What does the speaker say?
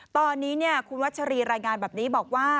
ตอนนี้คุณวัชรีรายงานแบบนี้บอกว่า